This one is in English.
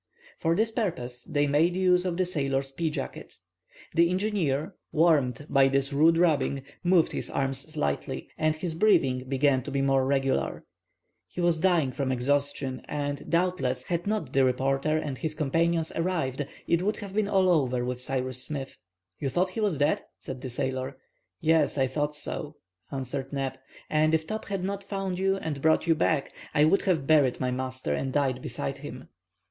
For this purpose they mode use of the sailor's pea jacket. The engineer, warmed by this rude rubbing, moved his arms slightly, and his breathing began to be more regular. He was dying from exhaustion, and, doubtless, had not the reporter and his companions arrived, it would have been all over with Cyrus Smith. "You thought he was dead?" asked the sailor. "Yes, I thought so," answered Neb. "And if Top had not found you and brought you back, I would have buried my master and died beside him."